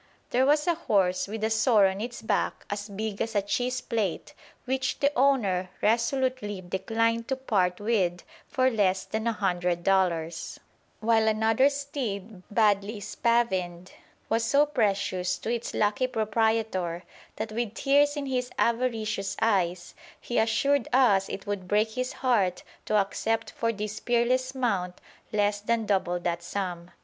There was a horse with a sore on its back as big as a cheese plate, which the owner resolutely declined to part with for less than a hundred dollars; while another steed, badly spavined, was so precious to its lucky proprietor that with tears in his avaricious eyes he assured us it would break his heart to accept for this peerless mount less than double that sum.